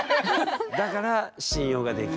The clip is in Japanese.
だから信用ができないと。